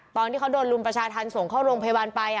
ตอนที่เขาโดนรุมประชาธรรมส่งเข้าโรงพยาบาลไป